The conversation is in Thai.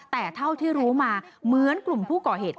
แต่เท่าที่รู้มาเหมือนกลุ่มผู้ก่อเหตุ